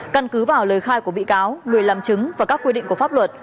căn cứ vào lời khai của bị cáo người làm chứng và các quy định của pháp luật